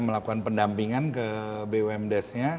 melakukan pendampingan ke bumd